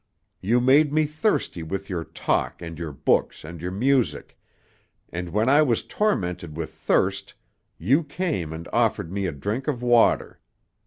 You made me thirsty with your talk and your books and your music, and when I was tormented with thirst, you came and offered me a drink of water.